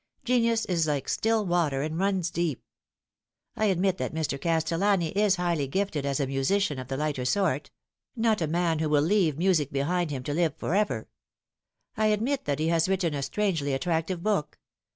Genius is like still water, and runs deep. I admit that Mr. Castellani is highly gifted as a musician of the lighter sort ; not a man who will leave music behind him to live for ever. I admit that he has written a strangely attractive book.